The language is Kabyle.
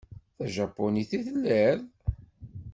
D tajapunit i telliḍ?